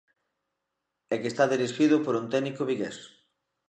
E que está dirixido por un técnico vigués.